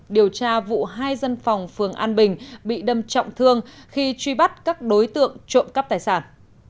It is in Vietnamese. điều tra vụ hai dân phòng phường an bình bị đâm trọng thương khi truy bắt các đối tượng trộm cắp tài sản